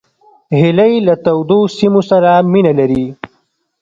هیلۍ له تودو سیمو سره مینه لري